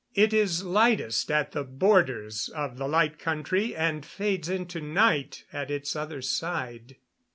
It is lightest at the borders of the Light Country, and fades into night at its other side.